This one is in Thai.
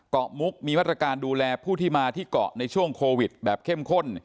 มุกมีมาตรการดูแลผู้ที่มาที่เกาะในช่วงโควิดแบบเข้มข้น